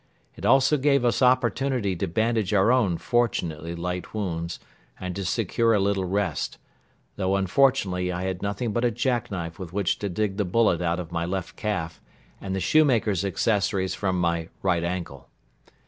It also gave us opportunity to bandage our own fortunately light wounds and to secure a little rest; though unfortunately I had nothing but a jackknife with which to dig the bullet out of my left calf and the shoemaker's accessories from my right ankle.